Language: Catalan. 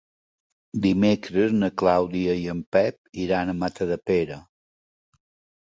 Dimecres na Clàudia i en Pep iran a Matadepera.